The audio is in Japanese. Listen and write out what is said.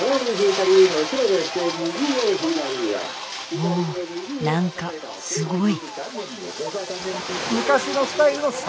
おっ何かすごい！